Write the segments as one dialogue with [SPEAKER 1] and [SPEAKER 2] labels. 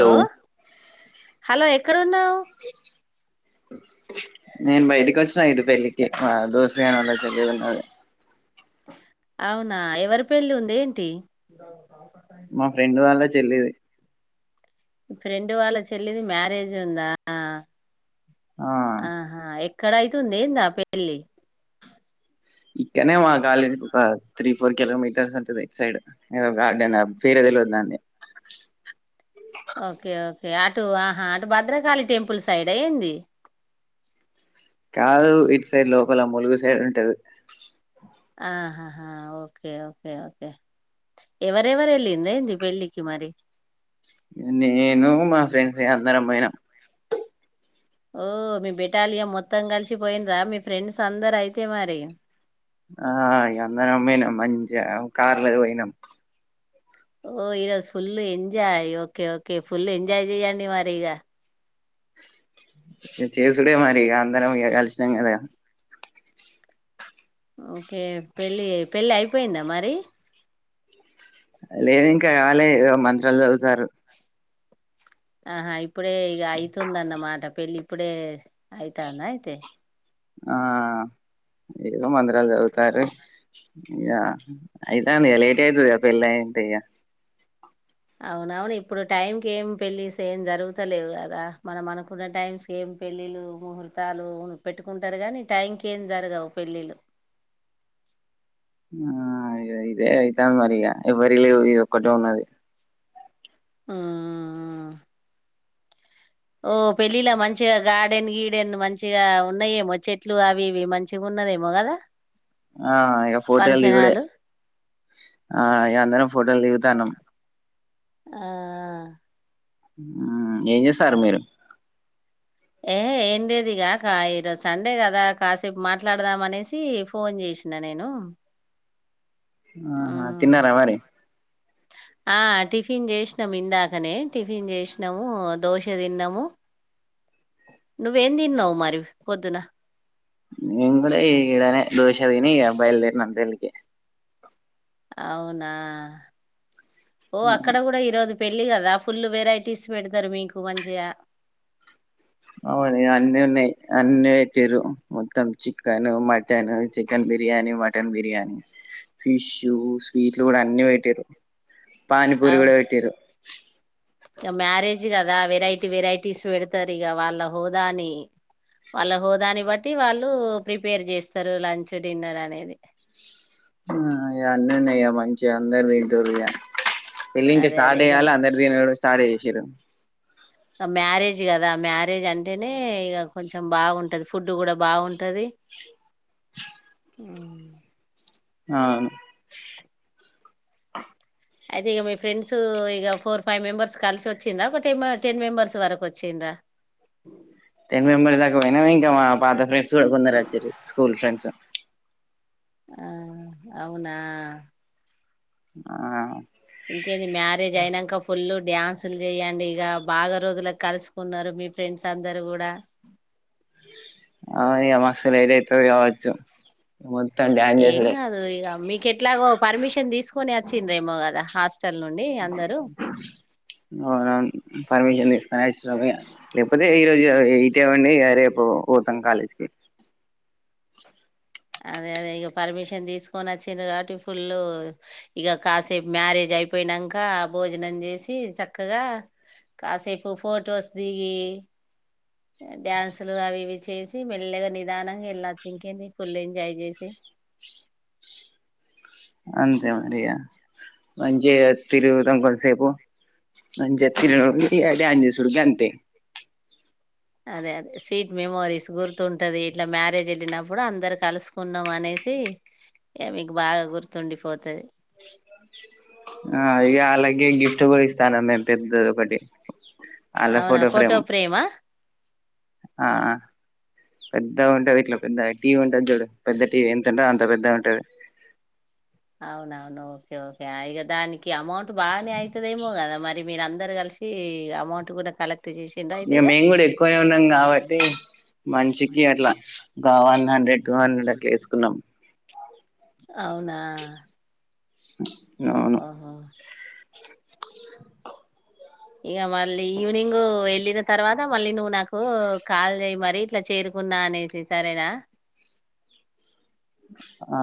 [SPEAKER 1] Hello
[SPEAKER 2] hello ఎక్కడున్నావ్
[SPEAKER 1] స నేను బయటికి వచ్చిన ఇటు పెళ్ళికి మా దోస్తుగా నోళ్ళ చెల్లెల ఉన్నది
[SPEAKER 2] అవునా ఎవరి పెళ్లి ఉంది ఏంటి
[SPEAKER 1] మా ఫ్రెండ్ వాళ్ళ చెల్లిది
[SPEAKER 2] ఇడు వాళ్ళ చెల్లిది మ్యారేజ్ ఉందా
[SPEAKER 1] ఆ
[SPEAKER 2] ఆహా ఎక్కడ య్యి తుంది ఏంది ఆ పెళ్లి
[SPEAKER 1] ఇక్కనే మా కాలేజీకి ఒక త్రీ ఫోర్ కిలోమీటర్స్ ఉంటది సైడ్ ఏదో గార్డెన్ పేరే తెలవదు దాన్ని
[SPEAKER 2] యాటు ఆహా అటు భద్రకాళి టెంపుల్ సైడ్ ఆ ఏంది
[SPEAKER 1] కాదు ఇటు సైడ్ లోపల ములుగు సైడ్ ఉంటది
[SPEAKER 2] ఆహాహా ఓకే ఓకే ఓకే ఎవరెవరు వెళ్ళిందేంది పెళ్లికి మరి
[SPEAKER 1] నేను మా ఫ్రెండ్స్ ఎ అందరం పోయినాం
[SPEAKER 2] ఓ మీ బెటాలియం మొత్తం కలిసి పోయిండ్రా మీ ఫ్రెండ్స్ అందరు అయితే మరి
[SPEAKER 1] ఆ ఇగ అందరం పోయినాం మంచిగా కారులో పోయినాం
[SPEAKER 2] ఓ ఈరోజు full enjoy okay okay full enjoy చెయ్యండి మరి ఇగ
[SPEAKER 1] చేసుడే మరి అందరం ఇగ కలిసినాం కదా
[SPEAKER 2] ఓకే పెళ్ళి పెళ్ళి అయిపోయిందా మరి
[SPEAKER 1] లేదు ఇంకా కాలే ఏదో మంత్రాలు చదువుతారు
[SPEAKER 2] ఆహా ఇప్పుడే ఇక అవుతుందన్నమాట పెళ్లి ఇప్పుడే అయితాందా అయితే
[SPEAKER 1] ఆ ఏదో మంత్రాలు చదువుతారు ఇగ అయితాంది కదా లేట్ అయితది పెళ్ళి అంటే ఇక
[SPEAKER 2] అవునవును ఇప్పుడు టైమ్ కి ఏం పెళ్లిస్ ఏం జరుగుతలేవు కదా మనం అనుకున్న టైమ్స్ ఏం పెళ్లిళ్లు ముహూర్తాలు పెట్టుకుంటారు కానీ టైమ్ కి ఏం జరగవు పెళ్లిళ్లు
[SPEAKER 1] ఆ ఇగ ఇదే అయితాంది మరీ ఇగ ఎవరివి లేవ ఇది ఒక్కటే ఉన్నది
[SPEAKER 2] ఊ ఓ పెళ్ళిలా మంచిగా గార్డెన్ గీడెన్ మంచిగా ఉన్నాయేమో చెట్లు అవి ఇవి మంచిగా ఉన్నదేమో కదా
[SPEAKER 1] ఆ ఇక ఫోటోలు
[SPEAKER 2] ఫంక్షన్
[SPEAKER 1] దిగుడే
[SPEAKER 2] హాలు
[SPEAKER 1] ఆ ఇక అందరం ఫోటోలు ధనం
[SPEAKER 2] ఆ
[SPEAKER 1] ఊ ఏం చేస్తారు మీరు
[SPEAKER 2] ఏ ఏండేదిగా కా ఈరోజు సండే కదా కాసేపు మాట్లాడదామ అనేసి ఫోన్ చేసిన నేను
[SPEAKER 1] ఆహా
[SPEAKER 2] ఉమ్
[SPEAKER 1] తిన్నారా మరి
[SPEAKER 2] ఆ! టిఫిన్ చేసినాము ఇందాకనే టిఫిన్ చేసినాము దోశ తిన్నాము నువ్వేం తిన్నావు మరి పొద్దున
[SPEAKER 1] నేను కూడా ఈ ఇడనే దోశ తిని ఈ బయల్దేర్ణం పెళ్లికి
[SPEAKER 2] అవునా ఓ అక్కడ కూడా ఈరోజు పెళ్లి కదా ఫుల్ వెరైటీస్ పెడతారు మీకు మంచిగా
[SPEAKER 1] అవును అన్నీ ఉన్నాయి అన్ని వెట్టిర్రు మొత్తం chicken, mutton, chicken biryani, mutton biryani, fish, స్వీట్లు కూడా అన్ని పెట్టిర్రు. పానీపూరి
[SPEAKER 2] ఆవ్
[SPEAKER 1] కూడా వెట్టిరు
[SPEAKER 2] ఇగ మ్యారేజ్ కదా వెరైటీ వెరైటీస్ పెడతారు, ఇగ వాళ్ళ హోదాని వాళ్ళ హోదాని బట్టి వాళ్ళు ప్రిపేర్ చేస్తారు లంచ్ డిన్నర్ అనేది.
[SPEAKER 1] ఆ అన్నీ ఉన్నయ్యా మంచిగ అందరు తింటురుగా పెల్లింకా
[SPEAKER 2] అదే అదే
[SPEAKER 1] స్టార్ట్
[SPEAKER 2] ఇగ
[SPEAKER 1] కాలె అందరు తినుడు స్టార్ట్ చే సిరం
[SPEAKER 2] ఇగ మ్యారేజ్ కదా మ్యారేజ్ అంటేనే ఇగ కొంచెం బాగుంటది ఫుడ్ కూడా బాగుంటది మ్మ్.
[SPEAKER 1] అవును
[SPEAKER 2] అయితే ఇగ మీ ఫ్రెండ్స్ ఇగ ఫోర్ ఫైవ్ మెంబెర్స్ కలిసి వచ్చిండ్రా, ఒక టెం టెన్ మెంబెర్స్ వరకు వచ్చిండ్రా.
[SPEAKER 1] టెన్ మెంబర్ దాకా పోయినా ఇంకా మా పాత ఫ్రెండ్స్ కూడా కొందరు వచ్చిర్రు స్కూల్ ఫ్రెండ్స్.
[SPEAKER 2] ఆ అవునా
[SPEAKER 1] ఆ
[SPEAKER 2] ఇంకేది మ్యారేజ్ అయినాక ఫులు డ్యాన్సులు చెయ్యడి ఇక బాగా రోజులకు కలుసుకున్నారు మీ ఫ్రెండ్స్ అందరు కూడా
[SPEAKER 1] అయ్యా మస్తులేట్ అయితది కావచ్చు మొత్తం డాన్స్
[SPEAKER 2] ఏం
[SPEAKER 1] చేసుడే
[SPEAKER 2] గాదు ఇగ మీకు ఎట్లాగో పర్మిషన్ తీస్ కొనే అచ్చిండ్రేమో కదా హాస్
[SPEAKER 1] అ పార్మిషని ఎప్పుటితే [inaudible] రోజు ఇటెవ్వంనీ రేపు పోతాం కాలేజీకి
[SPEAKER 2] అదే అదే ఇక పర్మిషన్ తీసుకొని వచ్చిర్రు కాబట్టి ఫుల్ ఇక కాసేపు మ్యారేజ్ అయిపోయినాక భోజనం చేసి చక్కగా కాసేపు ఫొటోస్ దిగి డ్యాన్సులు అవి ఇవి చేసి మెల్లగా నిదానంగా ఎళ్లొచ్చు ఇంకేంది ఫుల్ ఎంజాయ్ చేసి
[SPEAKER 1] అంతే మరియా మంచి తిరుగుతకోల్సేపు మంచి తి అడి డాన్స్ చేసుడు గంతే
[SPEAKER 2] అదే అదే స్వీట్ మెమోరీస్ గుర్తుంటది ఇట్లా మ్యారేజ్ వెళ్ళినప్పుడు అందరు కలుసుకున్నాం అనేసి ఈ మీకు బాగా గుర్తుండిపోత
[SPEAKER 1] ఆ ఇగా అలాగే గిఫ్ట్ కొనిస్తానన్నద పెద్ద ఒకటి
[SPEAKER 2] అవునా ఫోటో ఫ్రేమ్ మా
[SPEAKER 1] ఆ పెద్ద ఉంటది ఇట్లా పెద్ద టీ ఉంటది చూడు పెద్ద టి ఇ ఎంతంట అంత పెద్ద ఉంటది
[SPEAKER 2] అవునవును ఓకే ఓకే ఇగా దానికి అమౌంట్ బానే అయితదేమో కాదా మరి మీరందరూ కలిసి అమౌంట్ కూడా కలెక్ట్ చేసిండ్ర
[SPEAKER 1] ఇగ
[SPEAKER 2] అయితే
[SPEAKER 1] మేము కూడా ఎక్కువ ఉన్నాం కాబట్టి మంచి అట్లా ఇంకా గా వన్ హండ్రెడ్ టూ హండ్రెడ్ అట్లా వేసుకున్నాం
[SPEAKER 2] అవునా
[SPEAKER 1] స
[SPEAKER 2] ఓహో ఇగా మళ్ళీ ఈవినింగ్ వెళ్ళిన తర్వాత మళ్ళీ నువ్వు నాకు కాల్ చేయ్య మరి ఇట్లా చేరుకున్నా అనేసి సరేనా
[SPEAKER 1] [unintelligible] ఆ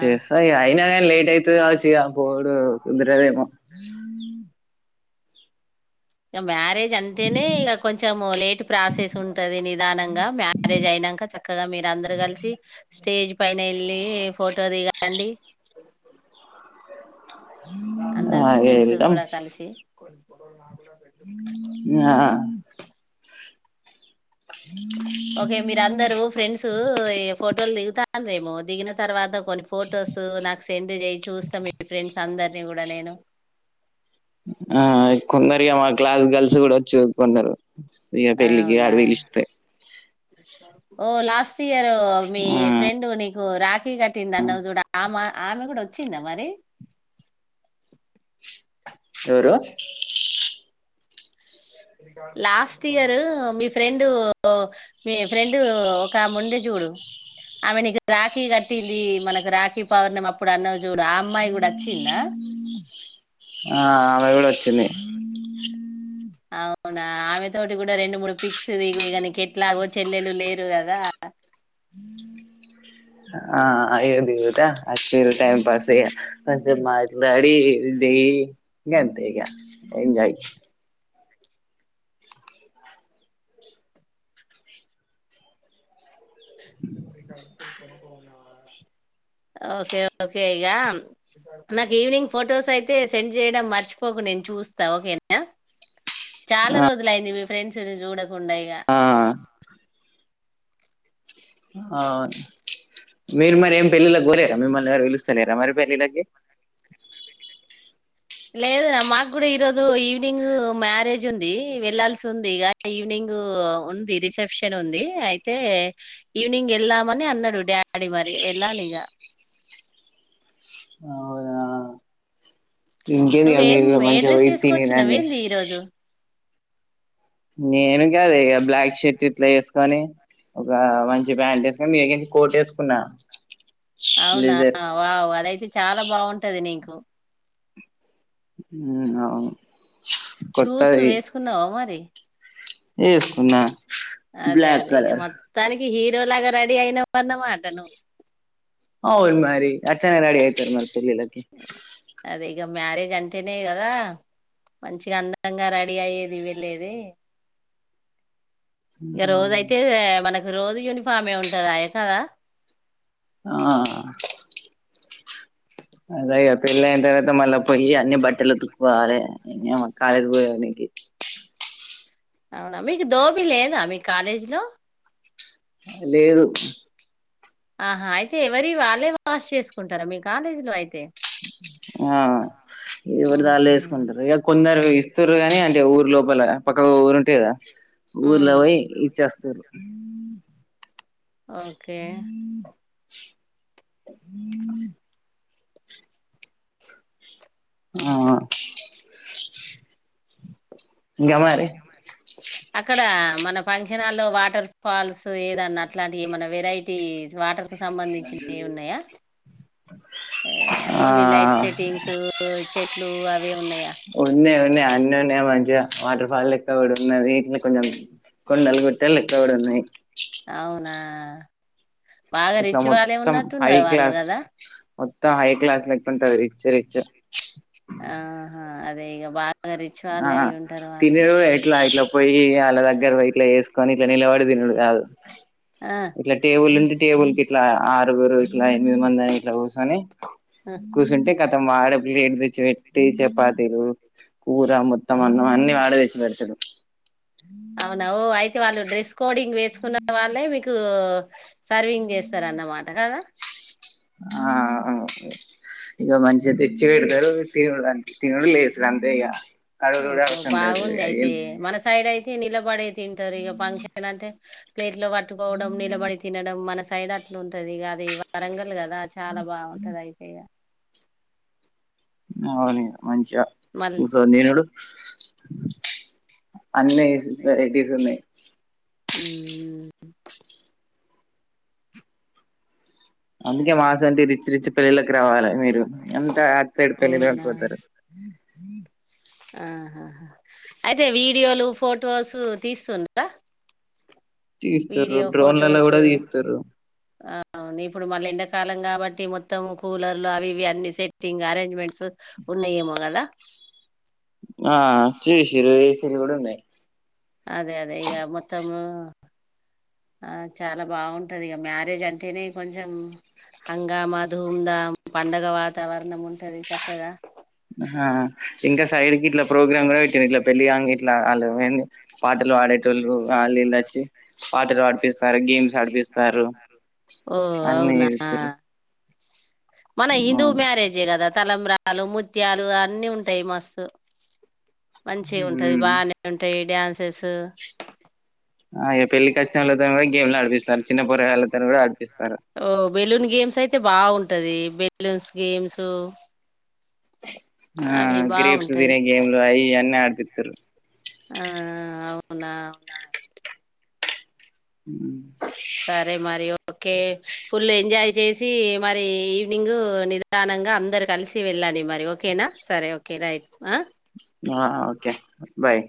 [SPEAKER 2] ఆ
[SPEAKER 1] ఇగ అయిన ఆ లేట్ అయితది కావచ్చు ఇగ పోడు కుదరదేమ
[SPEAKER 2] ఇక మ్యారేజ్ జ్ అంటేనే ఇక కొంచెం లేట్ ప్రాసెస్ ఉంటది నిదానంగా మ్యారేజ్ అయినాక చక్కగా మీరందరూ కలిసి స్టేజ్ పైనే వెళ్ళి ఫోటో దిగండి అందరు
[SPEAKER 1] ఆ
[SPEAKER 2] ఫ్రెండ్స్
[SPEAKER 1] ఎల్దాం
[SPEAKER 2] కూడా కలిసి [unintelligible]
[SPEAKER 1] ఆ
[SPEAKER 2] ఓకే మీరు అందరుూ ఫ్రెండ్స్ ఈ ఫోటోలు దిగుతా ేమో దిగిన తర్వాత కొన్ని ఫొటోస్ నాకు సెండ్ చేయ చూస్తాం మీ ఫ్రెండ్స్ అందరిని కూడా నేను
[SPEAKER 1] ఆ కొందరిగా మా క్లాస్ గర్ల్స్ కూడా చదువుకున్నారు అ పెళ్ళికి అడ
[SPEAKER 2] అవునా
[SPEAKER 1] పిలిస్తే
[SPEAKER 2] ఓ లాస్ట్ ఇయర్ మీ
[SPEAKER 1] ఆ
[SPEAKER 2] ఫ్రెండ్ రా కటింద అన్న ఆమె కూడా వచ్చింద మరి
[SPEAKER 1] ఎవరు
[SPEAKER 2] లాస్ట్ ఇయర్ మీ ఫ్రెండు మీ ఫ్రెండు ఒక ఆమె ఉంది చూడు ఆమె నీకు రాఖీ కట్టింది మనకు రాఖీ పవర్ణం అప్పుడు అన్న చూడు ఆ అమ్మాయి కూడా వచ్చిందా
[SPEAKER 1] ఆ ఆమె కూడా వచ్చింది
[SPEAKER 2] అవునా ఆమె తోటి కూడా రెండు మూడు పిక్స్ దిగు ఇంకా నీకు ఎట్లాగో చెల్లెలు లేరు కదా
[SPEAKER 1] ఆ ఆ ఇగ దిగుత టై పాస్ ప మాట్లాడి దయి గంతె ఇగ ఎంజాయి
[SPEAKER 2] ఓకేకే ఇ నాకు ఈవినింగ్ ఫొటోస్ అయితే సెండ్ చేయడం మర్చిపోకు నేను చూస్తా ఓకేనా చాలా
[SPEAKER 1] ఆ
[SPEAKER 2] రోజులయింది మీ ఫ్రెండ్స్ చూడ ఉండయిగా
[SPEAKER 1] ఆ ఆ మీరు మరి ఏం పెళ్ళిళకి పోలేరా మిమ్మల్ని ఎరు వెలుస్తలేరా మరి పెళ్ళిళ్ళకి
[SPEAKER 2] లేదు ర మాకు కూడా ఈరోజు ఈవినింగ్ మ్యారేజ్ ఉంది వెళ్లాాల్సి ఉంది ఇక ఈవినింగ్ ఉంది రిసెప్షన్ ఉంది అయితే ఈవినింగ్ వెళ్దాము అన్నాడు డాడీ మరి వెళ్ళాలి ఇక
[SPEAKER 1] ఆ ఇంకది అ
[SPEAKER 2] నువ్వేం
[SPEAKER 1] మీరులో
[SPEAKER 2] ఏ
[SPEAKER 1] మంచి
[SPEAKER 2] డ్రెస్
[SPEAKER 1] వాయి తిని రండి
[SPEAKER 2] వేసుకొచ్చినవేంది ఈరోజు
[SPEAKER 1] నేను కాదు ఇక బ్లాక్ షర్ట్ ఇట్లా వేసుకొని ఒక మంచి ప్యాంట్ వేసుకని మీ కోట్ వేసుకున్నా
[SPEAKER 2] అవునా వావ్ అదైతే చాలా బాగుంటది నీకు
[SPEAKER 1] హ్మ్మ్ అవును
[SPEAKER 2] షూస్
[SPEAKER 1] కొత్తది
[SPEAKER 2] వేసుకున్నావా మరి
[SPEAKER 1] ఏసుకున్న
[SPEAKER 2] అదే అదే ఇగ మొత్తానికి హీరో లాగా రెడీ అయినవన్నమాట నువ్వు
[SPEAKER 1] అవును మరి అట్ అట్లనే రెడీ అయితారు మరి పెళ్ళిలకి
[SPEAKER 2] అదే ఇక మ్యారేజ్ అంటేనే కదా మంచిగా అందంగా రెడీ అయ్యేది వెళ్ళేది ఇక రోజ అయితే మనకి రోజు యూనిఫామే ఉంటదాయే కదా
[SPEAKER 1] ఆ అదేఇగా పిళ్ళైన తరవాత మళ్ళ పోయి అన్ని బట్టలు ఉతుక్కోవాలే ఈ అమ్మ కాలేజెకి పోయేనికి.
[SPEAKER 2] అవునా మీకు దోబీ లేదా మీ కాలేజీ లో
[SPEAKER 1] లేదు
[SPEAKER 2] ఆహా అయితే ఎవరి వాళ్ళే వాష్ చేసుకుంటారా మీ కాలేజీలో అయితే
[SPEAKER 1] ఆ ఎవరిది వాళ్ళే చేస్
[SPEAKER 2] ఉహు
[SPEAKER 1] [unintelligible] ఇగ కొందరు ఇస్తూర్రు గానీ అంటే ఊరు లోపల పక్క ఊరు ఉంటది గా
[SPEAKER 2] ఉమ్
[SPEAKER 1] ఊర్లోవేయ్ ఇచ్చస్తారూ
[SPEAKER 2] ఓకే
[SPEAKER 1] ఆ ఆ ఇగమారీ
[SPEAKER 2] అక్కడ మన ఫంక్షనాల్లో వాటర్ ఫాల్స్ ఏదన్నా అట్లాంటివి ఏమన్నా వెరైటీ వాటర్ సంబంధించి ఉన్నాయా
[SPEAKER 1] ఆ
[SPEAKER 2] ఓన్లీ లైట్ సెట్టింగ్స్ చెట్లు అవే ఉన్నాయా.
[SPEAKER 1] ఉన్నాయ్ అన్ని ఉన్నాయ్ మంచిగా వాటర్ ఫాల్ లేక్క కూడా ఉన్నది కొంచెం కొండలు గుట్టలు లెక్క కూడా ఉన్నాయి.
[SPEAKER 2] అవునా ఆ బాగా
[SPEAKER 1] ఇట్లా
[SPEAKER 2] రిచ్ వాళ్ళే ఉన్నట్టున్నారు వాళ్ళు గదా
[SPEAKER 1] మొత్త హై క్లాస్ లెక్క ఉంటది రిచ్ రిచ్
[SPEAKER 2] ఆహా అదే ఈ బాగా రిచ్
[SPEAKER 1] ఆ
[SPEAKER 2] వాళ్ళే అయి ఉంటారు వాళ్ళు ఇగ
[SPEAKER 1] తినేది కూడా ఎట్లా ఎట్లా పోయి వాళ్ళ దగ్గర పోయ్ ఇట్లా వేసుకొని ఇట్లా నిలబడి తినుడు కాదు
[SPEAKER 2] ఆ
[SPEAKER 1] ఇట్లా టేబుల్ ఉండి టేబుల్ కి ఇట్లా ఆరుగురు ఇట్లా ఎనిమిది మంది అని ఇట్ల కూసోని కూర్చుంటే కతం వాడే ప్లేట్ తెచ్చి పెట్టి చపాతీలు కూర మొత్తం అన్నం అన్నీ వాడే తెచ్చి పెడతడు
[SPEAKER 2] కి వాళ్ళ డ్రెస్ కోడింగ్ వేసుకున్న వాళ్ళే విక్ టూ సర్వింగ్ చేస్తారన్నమాట గదా
[SPEAKER 1] ఆ ఇగ మంచిగా తెచ్చి పెడతారు తినూ తినుడు లేసుడు అంతే ఇగా
[SPEAKER 2] ఓ బావుంది అయితే మన సైడ్ అయితే నిలబడి తింటారు ఇగ ఫంక్షన్లంటే ప్లేట్ లో పట్టుకోవడం నిలబడి తినడం మన సైడ్ అట్లుంటదిగా వారంగ కద అ చాలా బాగుంటది అయితేయ
[SPEAKER 1] అవు మంచిగా
[SPEAKER 2] మళ్ళీ
[SPEAKER 1] చూస నేనుడు అన్ని వెరైటీస్ ఉన్నాయి
[SPEAKER 2] అ
[SPEAKER 1] అందుకే మాస అంటంటి రిచ్ రిచి పళ్లా రావాలి మీరు ఎంత అ సైడ్ తెలి లేకపోతారు హ
[SPEAKER 2] ఆహాహా అయితే వీడియోలు ఫొటోసు తీస్తుండార
[SPEAKER 1] తీస్తారు డ్రోన్లలో కూడా తీస్తారు
[SPEAKER 2] అవును ఇప్పుడు మళ్ళీ ఎండాకాలం కాబట్టి మొత్తం కూలర్లు అవి ఇవి అన్ని సెట్టింగ్ అరేంజ్మెంట్స్ ఉన్నాయేమో కదా
[SPEAKER 1] ఆ చి శరు ఏ శరి కూడాడున్నాయి
[SPEAKER 2] ఆ ఆ చాలా బాగుంటది ఇక మ్యారేజ్ అంటేనే కొంచెం హంగామా ధూధా పండగ వాతావరణం ఉంటది చక్కగా
[SPEAKER 1] ఇంకా సైడ్కి ఇట్లా ప్రోగ్రామ్ కూడా పెట్టింది ఇట్లా పెళ్ళంగ ఇట్లా వాళ్ళు పాటలు పాడేటోళ్ళు వాళ్ళు ఇలా వచ్చి ఆటలు ఆడిపిస్తారు గేమ్స్ ఆడిపిస్తారు
[SPEAKER 2] ఓ
[SPEAKER 1] అన్నీ
[SPEAKER 2] అవునా
[SPEAKER 1] ఇస్తారు
[SPEAKER 2] మన హిందూ మ్యారేజ్ ఏ కదా తలంబ్రాలు ముత్యాలు అన్ని ఉంటాయి మస్తు మంచిగా ఉంటది
[SPEAKER 1] హ్మ్
[SPEAKER 2] బాగానే ఉంటాయి డాన్సెస్
[SPEAKER 1] ఆయ పెళ్లి కాసి గేమ్ లో నడిపిస్తారు చిన్న పూర వెళ్ళత కూడా ఆడిపిస్తారు
[SPEAKER 2] ఓ బెలున్ గేమ్స్ అయితే బాగుంటది బెలూన్స్ గేమ్స్
[SPEAKER 1] ఆ
[SPEAKER 2] అవి
[SPEAKER 1] గ్రేప్స్
[SPEAKER 2] బాగుంటాయి
[SPEAKER 1] తిన గేమ్లు అయి అన్నన్ని ఆడది సర
[SPEAKER 2] ఆ అవునా అవునా
[SPEAKER 1] హ
[SPEAKER 2] సరే మరి ఓకే ఫుల్ ఎంజాయ్ చేసి మరి ఈవినింగ్ నిదానంగా అందరు కలిసి వెళ్ళాలి మరి ఓకేనా సరే ఓకే అక్కేర ఆ
[SPEAKER 1] ఓకే బాయ్